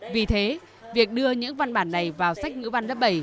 vì thế việc đưa những văn bản này vào sách ngữ văn lớp bảy